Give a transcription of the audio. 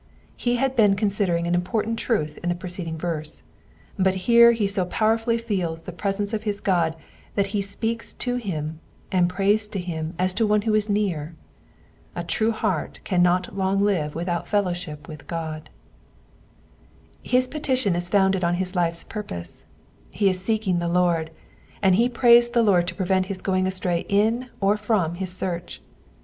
He had been considering an important truth in the preceding verse, but here he so powerfully feels the presence of his God that he speaks to him, and prays to him as to one who is near. A true heart cannot long live without fellowship with God. His petition is founded on his life's purpose : he is seeking the Lord, and he prays the Lord to prevent his going astray in or from his search.